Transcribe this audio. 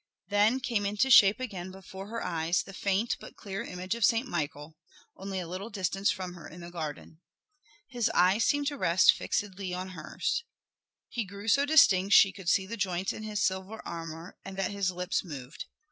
Then came into shape again before her eyes the faint but clear image of Saint Michael, only a little distance from her in the garden. His eyes seemed to rest fixedly on hers. He grew so distinct she could see the joints in his silver armor and that his lips moved.